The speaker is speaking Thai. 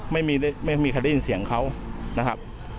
ไม่มีใครได้ยินเสียงเขานะครับ